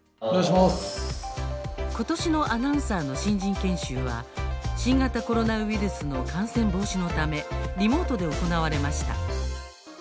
ことしのアナウンサーの新人研修は新型コロナウイルスの感染防止のためリモートで行われました。